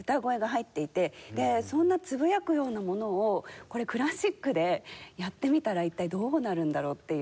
そんなつぶやくようなものをこれクラシックでやってみたら一体どうなるんだろうっていう。